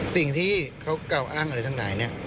สิ่งที่เขาเก่าอ้างอะไรทั้งหลาย